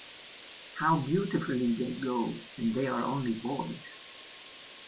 How beautifully they go, and they are only boys.